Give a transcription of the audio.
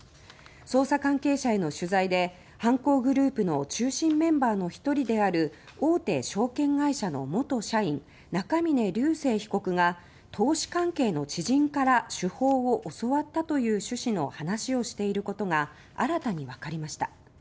捜査関係者への取材で犯行グループの中心メンバーの１人である大手証券会社の元社員・中峯竜晟被告が「投資関係の知人から手法を教わった」という主旨の話をしていることが新たにわかりました。